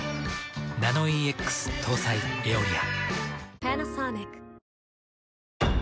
ナノイーＸ搭載「エオリア」。